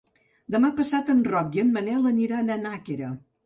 Demà passat en Roc i en Manel aniran a Nàquera.